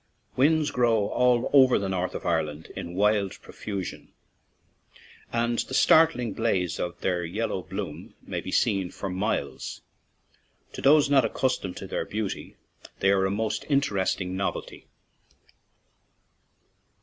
" Whins " grow all over the north of Ireland in wild profusion, and the startling blaze of their bright yellow bloom may be seen for miles ; to those not accustomed to their beauty they are a most interesting novelty.